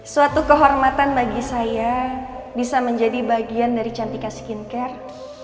suatu kehormatan bagi saya bisa menjadi bagian dari cantika skincare